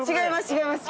違います